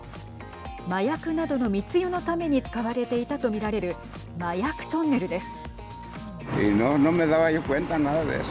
麻薬などの密輸のために使われていたとみられる麻薬トンネルです。